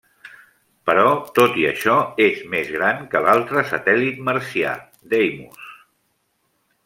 Però tot i això, és més gran que l'altre satèl·lit marcià, Deimos.